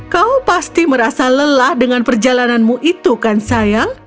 kau pasti merasa lelah dengan perjalananmu itu kan sayang